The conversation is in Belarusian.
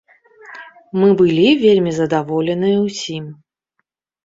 Мы былі вельмі задаволеныя ўсім.